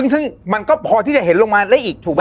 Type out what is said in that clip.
ซึ่งมันก็พอที่จะเห็นลงมาได้อีกถูกไหม